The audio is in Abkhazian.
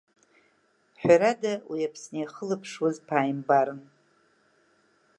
Ҳәарада уи Аԥсны иахылаԥшуаз ԥааимбарын.